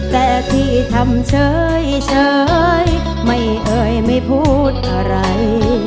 แต่ที่ทำเฉยไม่เอ่ยไม่พูดอะไร